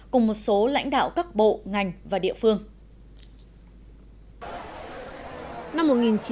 cùng một số lãnh đạo các bộ ngành và địa phương